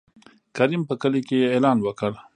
کريم په کلي کې يې اعلان وکړ.